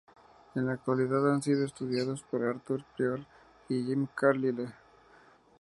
En la actualidad han sido estudiados por Arthur Prior y Jim Carlyle.